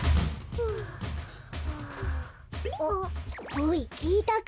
おいきいたか？